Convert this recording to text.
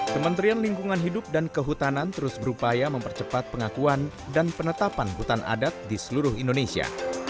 kementerian lingkungan hidup dan kehutanan terus berupaya mempercepat pengakuan dan penetapan hutan adat di seluruh indonesia